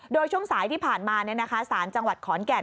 โดยช่วงสายที่ผ่านมาสารจังหวัดขอนแก่น